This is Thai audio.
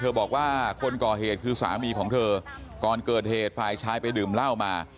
บอกว่าคนก่อเหตุคือสามีของเธอก่อนเกิดเหตุฝ่ายชายไปดื่มเหล้ามา